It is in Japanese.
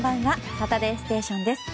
「サタデーステーション」です。